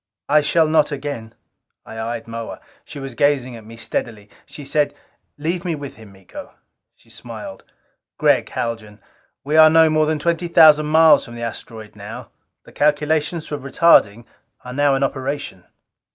"I shall not again." I eyed Moa. She was gazing at me steadily. She said, "Leave me with him, Miko...." She smiled. "Gregg Haljan, we are no more than twenty thousand miles from the asteroid now. The calculations for retarding are now in operation."